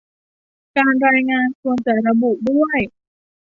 การรายงานควรจะระบุด้วย